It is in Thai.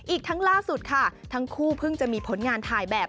อีกทั้งล่าสุดค่ะทั้งคู่เพิ่งจะมีผลงานถ่ายแบบ